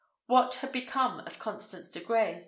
What had become of Constance de Grey?